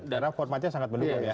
dan rapor macet sangat mendukung ya